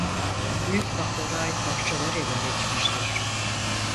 Büyük kaplara ait parçalar ele geçmiştir.